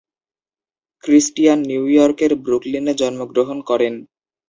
Cristian নিউ ইয়র্কের ব্রুকলিনে জন্মগ্রহণ করেন।